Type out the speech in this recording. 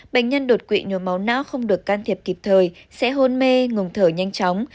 bệnh nhân đột quỵ nhồi máu não không được can thiệp kịp thời sẽ hôn mê ngồng thở nhanh chóng